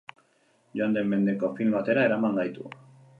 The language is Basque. Joan den mendeko film batera eraman gaitu.